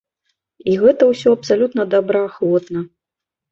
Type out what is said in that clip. І гэта ўсё абсалютна добраахвотна.